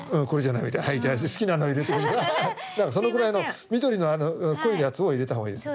そのぐらいの緑の濃いやつを入れたほうがいいです。